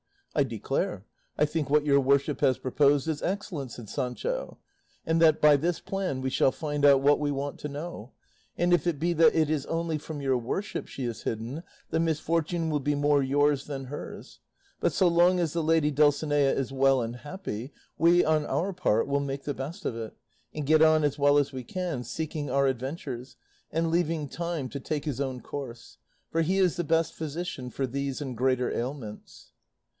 "I declare, I think what your worship has proposed is excellent," said Sancho; "and that by this plan we shall find out what we want to know; and if it be that it is only from your worship she is hidden, the misfortune will be more yours than hers; but so long as the lady Dulcinea is well and happy, we on our part will make the best of it, and get on as well as we can, seeking our adventures, and leaving Time to take his own course; for he is the best physician for these and greater ailments."